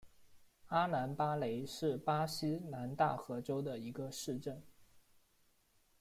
阿兰巴雷是巴西南大河州的一个市镇。